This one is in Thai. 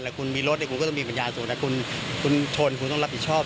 คุณมีรถคุณก็ต้องมีปัญญาสูงแต่คุณชนคุณต้องรับผิดชอบ